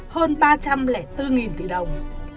hơn ba trăm linh bốn tỷ đồng